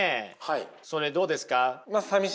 それどうですか？